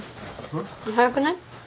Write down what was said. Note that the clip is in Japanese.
ん？早くない？